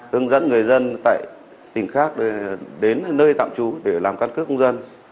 hướng dẫn người dân tại tỉnh khác đến nơi tạm trú để làm cân cấp công dân